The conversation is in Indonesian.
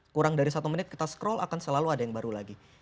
kurang dari satu menit kita scroll akan selalu ada yang baru lagi